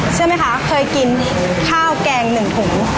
เชื่อไหมคะเคยกินข้าวแกง๑ถุง